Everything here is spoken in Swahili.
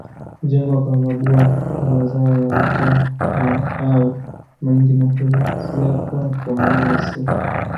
Hujengwa kwa mabua ya mazao ya mtama au mahindi na kuezekwa kwa nyasi